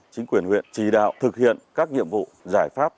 chính quyền huyện chỉ đạo thực hiện các nhiệm vụ giải pháp